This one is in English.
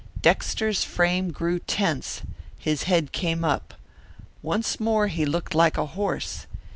Dexter's frame grew tense, his head came up. Once more he looked like a horse.